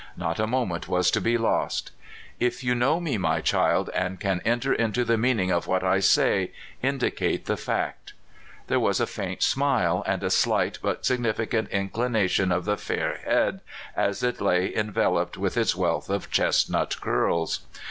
Not a moment was to be lost. '' If you know me, my child, and can enter into the meaning of what I say, indicate the fact." 332 CALIFORNIA SKETCHES. There was a faint smile and a slight but signifi cant inclination of the fair head as it lay envel oped with its wealth of chestnut curls.